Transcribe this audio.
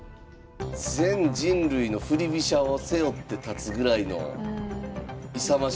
全人類の振り飛車を背負って立つぐらいの勇ましいコメントでしたけども。